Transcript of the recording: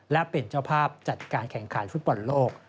และเป็นเจ้าภาพจัดการแข่งขันฟุตบอลโลก